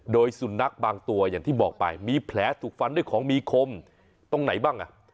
โดยสุนัขบางตัวอย่างที่บอกไปมีแผลถูกฟันด้วยของมีคมตรงไหนบ้างอ่ะ